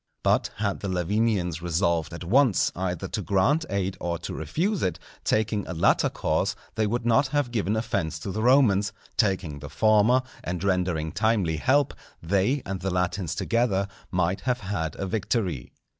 But had the Lavinians resolved at once either to grant aid or to refuse it, taking a latter course they would not have given offence to the Romans, taking the former, and rendering timely help, they and the Latins together might have had a victory.